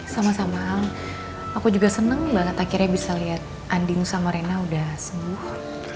sama sama aku juga seneng banget akhirnya bisa lihat andin sama rena udah sembuh